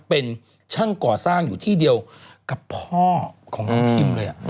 เป็นช่างก่อสร้างอยู่ที่เดียวกับพ่อของน้องพิมเลย